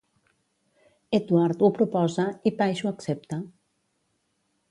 Edvard ho proposa i Paige ho accepta.